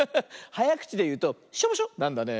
はやくちでいうと「しょぼしょ」なんだね。